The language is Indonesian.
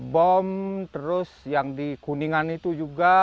bom terus yang di kuningan itu juga